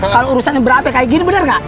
kalau urusan yang berapa kayak gini bener gak